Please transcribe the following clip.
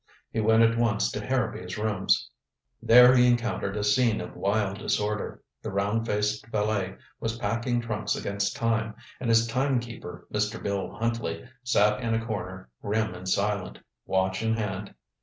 He went at once to Harrowby's rooms. There he encountered a scene of wild disorder. The round faced valet was packing trunks against time, and his time keeper, Mr. Bill Huntley, sat in a corner, grim and silent, watch in hand.